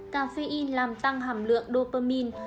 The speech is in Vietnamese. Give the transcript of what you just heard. caffeine làm tăng hàm lượng dopamine